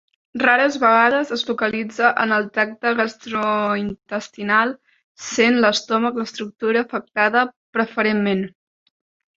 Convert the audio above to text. Rares vegades es localitzen en el tracte gastrointestinal, sent l'estómac l'estructura afectada preferentment.